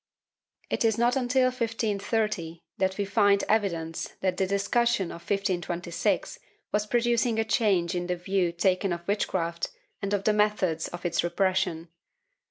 It is not until 1530 that we find evidence that the discussion of 1526 was producing a change in the view taken of witchcraft and of the methods of its repression.